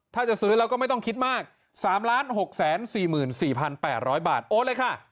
ถ้าจะซื้อแล้วก็ไม่ต้องคิดมาก๓๖๔๔๘๐๐บาทโอนเลยค่ะ